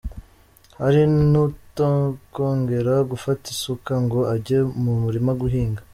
Hari n’utakongera gufata isuka ngo ajye mu murima guhinga.